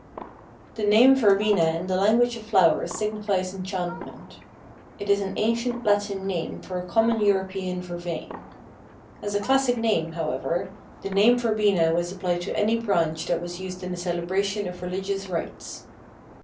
The name Verbena in the language of flowers signifies enchantment. It is an ancient Latin name for a common European Vervain. As a classic name, however, the name Verbena was applied to any branch that was used in the celebration of religious rites.